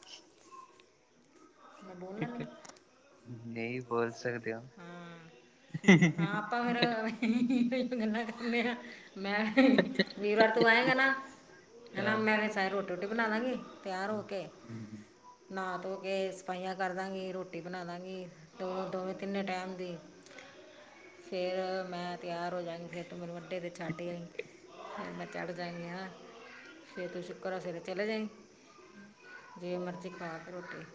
[inaudible] ਮੈਨੂੰ ਓਨਾਂ ਨੇ, ਨਈਂ ਬੋਲ ਸਕਦੇ, ਹਾਂ। ਹਾਂ ਆਪਾਂ ਫੇਰ ਬਈ ਗੱਲਾਂ ਕਰਨੇ ਆਂ ਮੈਂ ਬਈ ਵੀਰਵਾਰ ਤੂੰ ਆਏਂਗਾ ਨਾ। ਹੈਨ ਮੈਂ ਫਿਰ ਸਾਰੀ ਰੋਟੀ-ਰੂਟੀ ਬਣਾ ਦਾਂਗੀ, ਤਿਆਰ ਹੋ ਕੇ ਨਾ ਧੋ ਕੇ ਸਫਾਈਆਂ ਕਰਦਾਂਗੀ ਰੋਟੀ ਬਣਾ ਦਾਂਗੀ ਦੋ-ਦੋਵੇਂ-ਤਿੰਨੇ ਟੈਮ ਦੀ। ਫੇਰ ਮੈਂ ਤਿਆਰ ਹੋ ਜਾਗੀ, ਫੇਰ ਤੂੰ ਮੇਨੂੰ ਅੱਡੇ ਤੇ ਛੱਡ ਆਈ। ਫਿਰ ਮੈਂ ਚੜ ਜਾਂਗੀ ਨਾ ਫਿਰ ਤੁੂੰ ਸ਼ੁਕਰਵਾਰ ਸਵੇਰੇ ਚਲੇ ਜਾਈ। ਜਿਵੇਂ ਮਰਜ਼ੀ ਖਾ ਤੂੰ ਰੋਟੀ।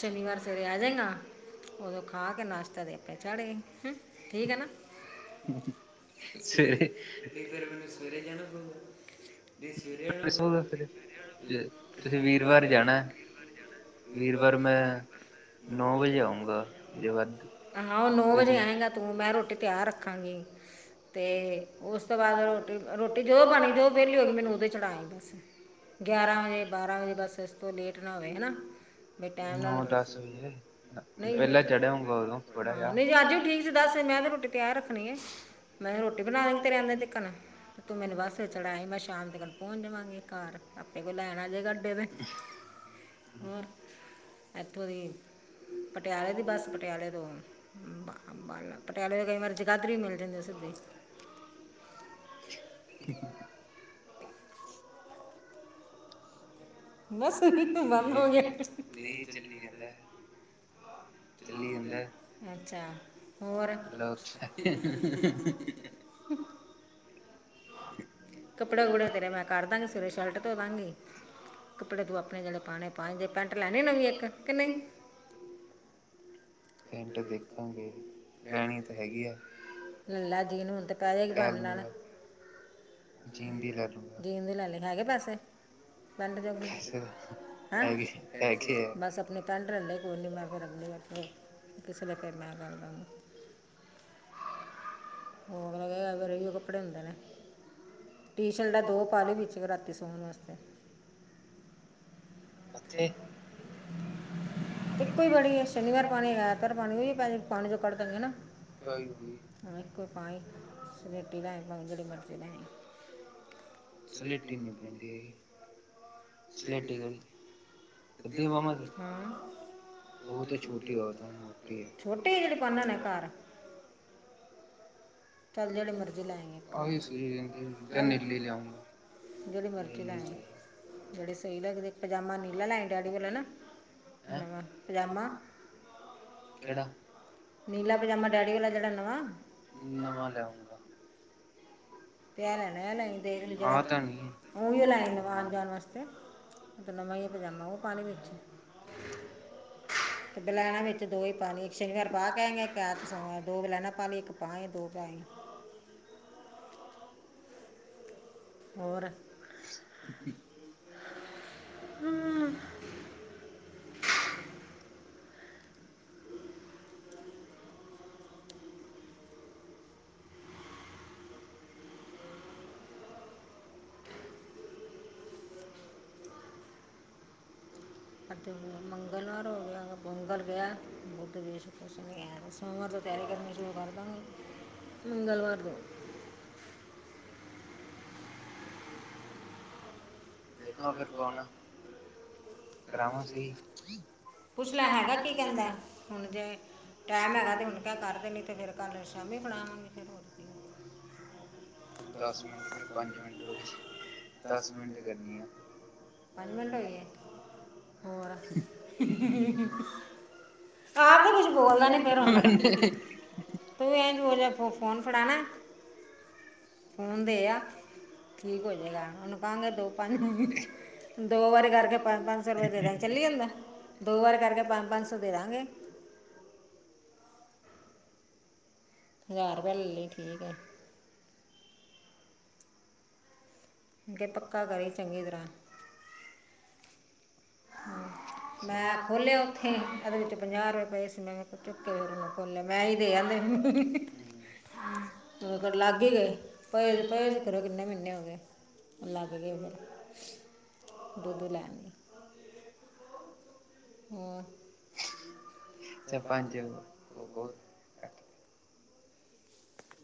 ਸ਼ਨੀਵਾਰ ਸਵੇਰੇ ਆਜੇਗਾ, ਉਦੋਂ ਖਾ ਕੇ ਨਾਸ਼ਤਾ ਦੇ ਅਪਣੇ ਚੜ੍ਹ ਆਈ। ਹਂ ਠੀਕ ਏ ਨਾ ਸਵੇਰੇ ਨਈ ਫਿਰ ਮੈਨੂੰ ਸਵੇਰੇ ਜਾਣਾ ਪਉਗਾ। ਨਈ ਸਵੇਰੇ ਆਨਾ ਪੳ ਵੀਰਵਾਰ ਜਾਣਾ। ਵੀਰਵਾਰ ਮੈਂ ਨੌ ਵਜੇ ਆਊਂਂਗਾ ਜੇ ਵੱਧ ਤਿਆਰ ਰੱਖਾਂਗੇ। ਤੇ ਓਸ ਤੋਂ ਬਾਦ ਰੋਟੀ ਰੋਟੀ ਜਦੋ ਬਣਗੀ ਜਦੋ ਵੇਲੀ ਹੋਗੀ ਮੈਨੂੰ ਓਦੇ ਚੜ੍ਹਾ ਆਈ ਬੱਸ। ਗਿਆਰਾਂ ਵਜੇ ਬਾਰਾਂ ਵਜੇ ਬਸ ਐਸ ਤੋਂ ਲੇਟ ਨਾ ਹੋਵੇ ਹੈਨਾ। ਨਈ ਟੈਮ ਨਾਲ ਨਈ ਹਾਂ ਨਈ ਰਾਜੂ ਠੀਕ ਸੀ ਦਸ ਵਜੇ ਮੈਂ ਤੇ ਰੋਟੀ ਤਿਅਚ ਰੱਖਣੀ ਏ। ਮੈਂ ਰੋਟੀ ਬਣਾ ਦਾਂਗੀ ਤੇਰੇ ਆਂਦੇ ਤਿਕਣ ਤੇ ਤੂੰ ਮੈਨੂੰ ਬੱਸ ਤੇ ਚੜਾ ਆਈ ਮੈ ਸ਼ਾਮ ਤਿਕਾਣ ਪੋੰਚ ਜਾਵਾਂਗੇ ਕਾੱਰ। ਆਪੇ ਕੋਈ ਲੈਣ ਆ ਜੇਗਾ ਅੱਡੇ ਤੇ। ਹੋਰ ਇੱਥੋਂ ਦੀ ਪਟਿਆਲੇ ਦੀ ਬੱਸ। ਪਟਿਆਲੇ ਤੋਂ ਬ ਪਟਿਆਲੇ ਤੋਂ ਕਈ ਵਾਰੀ ਜਗਾਧਰੀ ਵੀ ਮਿਲ ਜਾਂਦੀ ਸਿੱਧੀ। [inaudible] ਬੱਸ ਕਿਤੇ ਬੱਦ ਹੋਗੇ। ਠੀਕ ਐ‌ ਜੀ ਚਲੀ ਜਾਂਦਾ‌ ਲਕਸ਼ ਕੱਪੜਾ-ਕੁਪੜਾ ਤੇਰਾ ਮੈਂ ਕਰ ਦਾਂਗੀ ਸਵੇਰੇ ਸ਼ਰਟ ਧੋ ਦਾਂਗੀ। ਕੱਪੜੇ ਤੂੰ ਆਪਣੇ ਜੇੜੇ ਪਾਣੇ ਪਾਈ ਪੈਂਟ ਲੈਣੀ ਨਵੀਂ ਏਕ ਕੇ ਨਈ। ਪੈੰਟ ਦੇਖਾਂਗੇ। ਲੈਣੀ ਤੇ ਹੈਗੀ ਹੈ ਲੈ ਲੂੰਗਾ। ਜੀਨ ਦੀ ਲੈ ਲੇਲੀ ਹੈਗੇ ਪੈਸੇ। ਪੈਂਟ ਜੋਗੇ ਹੈਂ ਹੈਗੈ ਐ ਬਸ ਆਪਣੇ ਪੈਂਟ ਲੈ ਲਈ ਕੋਈ ਨੀ ਮੈਂ ਫਿਰ ਅਗਲੀ ਵਾਰ ਤੋਂ ਕਿਸੇਲੇ ਫਿਰ ਮੈਂ ਕਰਦਾਗੀ। ਹੋਰ ਰਹ ਵਾਰੀ ਐਇਓ ਕੱਪੜੇ ਹੁੰਦੇ ਨੇ ਟੀ ਸ਼ਲਟਾ ਦੋ ਪਾ ਲੀ ਵਿੱਚ ਇਕ ਰਾ ਤੇ ਸੋਣ ਵਾਸਤੇ। ਫੇਰ [inaudible] ਇੱਕੋ ਈ ਬੜੀ ਏ ਸ਼ਨੀਵਾਰ ਪਾਨੀ ਐਤਵਾਰ ਪਾਨੀ ਓਇਓ ਪਾਨੀ ਚੋ ਕੱਢ ਦੇਨਗੇ ਨਾ। [unintelligible] ਹਾਂ ਇਕੋ ਈ ਪਾ ਈ ਸਲੇਟੀ ਲੈਈ ਪਾਵੇਂ ਜੇੜੀ ਮਰਜ਼ੀ ਲੈਈ। ਸਲੇਟੀ ਨੀ ਪੈਂਦੀ ਹੈਗੀ ਸਲੇਟੀ ਕੇੜੀ ਆਦੀਆਂ ਬਾਵਾਂ ਆਲੀ, ਹਾਂ। ਓ ਤੇ ਛੇਟੀ ਬੋਤ ਐ। ਛੋਟੀ ਏ ਜੇੜੀ ਪਾਨਾ ਹੁਣਾ ਕਾਰ ਚੱਲ ਜੇੜੀ ਮਰਜ਼ੀ ਲੈ ਆਈ ਇੱਕ- ਜੇੜੀ ਮਰਜ਼ੀ ਲੈ ਆਈ ਜੇੜੀ ਸਈ ਲੱਗਦੀ ਪਜਾਮਾ ਨੀਲਾ ਲੈ ਆਈ ਡੈਡੀ ਆਲਾ ਨਾ। ਨਵਾਂ‌, ਪਜਾਮਾ ਕੇੜਾ ਨੀਲਾ ਪਜਾਮਾ ਡੈਡੀ ਵਾਲਾ ਜੇੜਾ ਨਵਾਂ ਨਵਾਂ ਲੈਊਂਂਗਾ। [inaudible] ਲੈਣਾ ਲਾਈ ਦੇਖ ਜਿਹੜਾ ਲਾਈ ਆਉਣ ਜਾਣ ਵਾਸਤੇ ਨਮਾ ਹੀ ਪਜਾਮਾ ਉਹ ਪਾਲੀ ਵਿੱਚ ਬਲੈਨਾਂ ਵਿੱਚ ਦੋ ਹੀ ਪਾਲੀ ਇੱਕ ਸ਼ਨੀਵਾਰ ਪਾ ਕੇ ਆਏਗੇ ਇੱਕ ਐਤ ਸੋਮਵਾਰ ਦੋ ਬਲੈਣਾ ਪਾਲੀ ਇੱਕ ਪਾਈ ਦੋ ਲੈ ਆਈ। ਹੋਰ। ਮੰਗਲਵਾਰ ਹੋ ਗਿਆ ਮੰਗਲ ਵਿਆਹ ਬੁੱਧ ਵੀਰ ਸ਼ੁਕਰ ਸ਼ਨੀ ਐਤ। ਸੋਮਵਾਰ ਤੋਂ ਤਿਆਰੀ ਕਰਨੀ ਸ਼ੁਰੂ ਕਰਦਾ ਗੇ, ਮੰਗਲਵਾਰ ਤੇ ਦੇਖਾ, ਫਿਰ ਕੌਣ ਆ ਕਰਾਵਾਂ ਸਈ। ਪੁੱਛ ਲੈ ਹੈਗਾ ਕੀ ਕਹਿੰਦਾ, ਹੁਣ ਜੇ ਟੈਮ ਹੈਗਾ ਤੇ ਹੁਣ ਕਹਿ ਕਰਦੇ ਨੀ ਤੇ ਫਿਰ ਕੱਲ ਸ਼ਾਮੀ ਫੜਾਵਾਂਗੀ। ਫੇਰ ਹੋਰ ਕਿ ਦਸ ਮਿੰਟ ਤੇ ਪੰਜ ਮਿੰਟ ਦਸ ਮਿੰਟ ਕਰਨੀਏ। ਪੰਜ ਮਿੰਟ ਹੋਏ ਹੋਰ ਆਪ ਤਾਂ ਕੁਛ ਬੋਲਦਾ ਨੀ, ਫੇਰ ਹੁਣ ਤੂੰ ਇ ਜਾ ਫੋਨ ਫੜਾਣੇ ਫੋਨ ਦੇ ਆ। ਠੀਕ ਹੋ ਜਏਗਾ। ਓਨੂੰ ਕਹਾਂਗੇ ਦੋ ਪੰਜ ਮ੍ਹੀਨੇ ਦੋ ਵਾਰੀ ਕਰਕੇ ਪੰਜ-ਪੰਜ ਸੌ ਰੁਪਏ ਦੇ ਦੇਗਾਗੇ, ਚੱਲੀ ਜਾਂਦੈ ਦੋ ਵਾਰ ਕਰਕੇ ਪੰਜ-ਪੰਜ ਸੌ ਦੇ ਦਾਂਗੇ। ਹਜ਼ਾਰ ਰੁਪਇਆ ਲੈ ਲਈ ਠੀਕ ਐ। ਕੇ ਪੱਕਾ ਕਰੇ‌। ਚੰਗੀ ਤਰਾਂ ਮੈਂ ਖੋਲਿਆ ਔਥੇ ਐਦੇ ਵਿੱਚ ਪੰਜਾਹ ਰੁਪਏ ਪਏ ਸੀ। ਮੈਂ ਚੁੱਕ ਕੇ ਦੇ ਦਿਤੇ ਖੋਲਿ ਕੇ ਮੈਂ ਈ ਦੇ ਆਂਦੇ। ਫੇਰ, ਲਗ ਈ ਗਏ। ਪਏ ਤੇ ਪਏ ਸੀ ਖਰੇ ਕਿੰਨੇ ਮਹੀਨੇ ਔ ਗਏ। [unintelligible] [unintelligible] [inaudible] ਪੰਜ ਬੋਤ